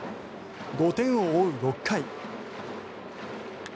５点を追う６回。